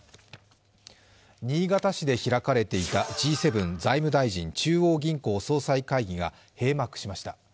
新潟市で開かれていたＧ７財務大臣・中央銀行総裁会議が閉幕しました。